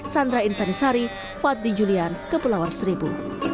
sandra insanisari fadli julian kepulauan seribu